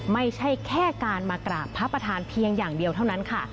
ไม่ใช่แค่การมากราบพระประธานเพียงอย่างเดียวเท่านั้นค่ะ